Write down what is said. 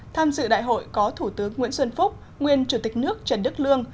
tham dự đại hội có thủ tướng nguyễn xuân phúc nguyên chủ tịch nước trần đức lương